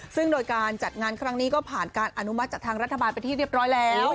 ซึ่งโดยการจัดงานครั้งนี้ก็ผ่านการอนุมัติจากทางรัฐบาลไปที่เรียบร้อยแล้ว